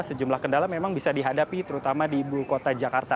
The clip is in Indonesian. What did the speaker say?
sejumlah kendala memang bisa dihadapi terutama di ibu kota jakarta